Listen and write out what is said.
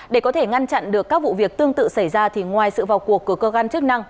để có thể ngăn chặn được các vụ việc tương tự xảy ra thì ngoài sự vào cuộc của cơ quan chức năng